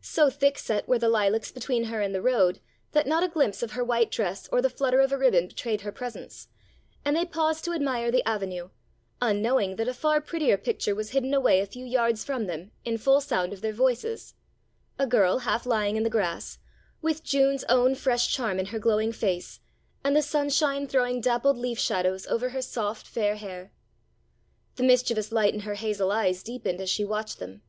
So thickset were the lilacs between her and the road that not a glimpse of her white dress or the flutter of a ribbon betrayed her presence, and they paused to admire the avenue, unknowing that a far prettier picture was hidden away a few yards from them, in full sound of their voices a girl half lying in the grass, with June's own fresh charm in her glowing face, and the sunshine throwing dappled leaf shadows over her soft fair hair. The mischievous light in her hazel eyes deepened as she watched them.